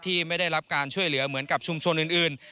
ไม่ได้รับการช่วยเหลือเหมือนกับชุมชนอื่น